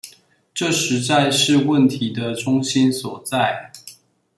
這實在是問題的中心所在